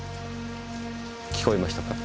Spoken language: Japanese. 聞こえましたか？